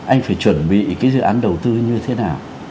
anh phải chuẩn bị cái dự án đầu tư như thế nào